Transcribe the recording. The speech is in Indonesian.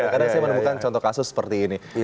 karena saya menemukan contoh kasus seperti ini